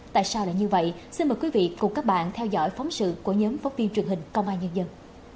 tại sao lại như vậy xin mời quý vị cùng các bạn theo dõi phóng sự của nhóm phóng viên truyền hình công an nhân dân